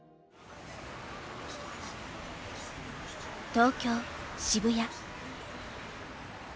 東京・渋谷。